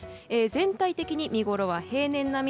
全体的に見ごろは平年並み。